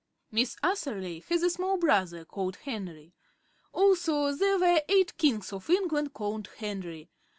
Miss Atherley has a small brother called Henry. Also there were eight Kings of England called Henry.